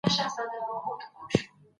هیڅکله مه وایئ چې زه دا نه شم کولای.